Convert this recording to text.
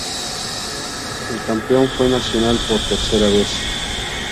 El campeón fue Nacional por tercera vez.